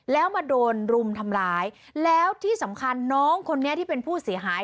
แล้วมาโดนรุมทำร้ายแล้วที่สำคัญน้องคนนี้ที่เป็นผู้เสียหาย